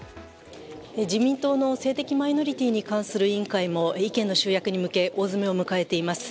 自民党の性的マイノリティーに関する委員会も意見の集約に向け大詰めに向かっています。